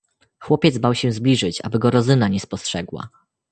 "Chłopiec bał się zbliżyć, aby go Rozyna nie spostrzegła."